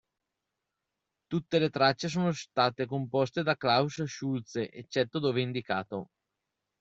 Tutte le tracce sono state composte da Klaus Schulze, eccetto dove indicato.